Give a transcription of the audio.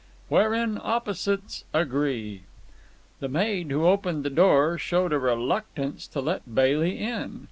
Wherein Opposites Agree The maid who opened the door showed a reluctance to let Bailey in.